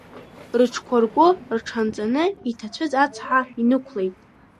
Рыҽқәа ргәы рҽанҵаны иҭацәыз ацҳа инықәлеит.